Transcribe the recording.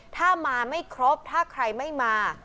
ถ้ามาไม่ครบถ้าใครไม่มา